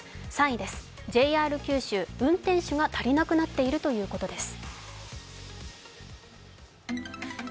３位ですＪＲ九州運転手が足りなくなっているということです。